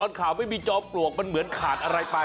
ข่าวไม่มีจอมปลวกมันเหมือนขาดอะไรไป